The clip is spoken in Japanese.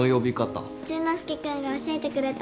淳之介君が教えてくれた。